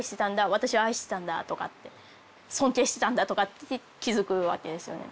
私は愛してたんだ」とかって「尊敬してたんだ」とかって気付くわけですよね。